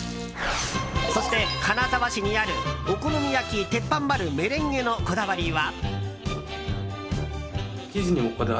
そして、金沢市にあるお好み焼き・鉄板バルメレンゲのこだわりは。